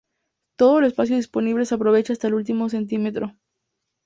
Todo el espacio disponible se aprovecha hasta el último centímetro.